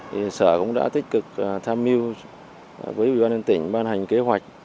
thì sở cũng đã tích cực tham mưu với ubnd tỉnh ban hành kế hoạch